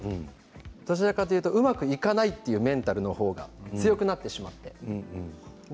どちらかというとうまくいかないというメンタルの方が強くなってしまって。